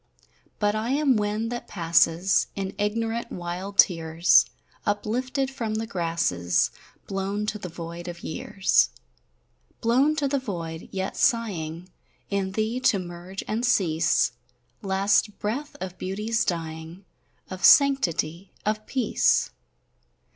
But I am wind that passes In ignorant wild tears, Uplifted from the grasses, Blown to the void of years, Blown to the void, yet sighing In thee to merge and cease, Last breath of beauty's dying, Of sanctity, of peace!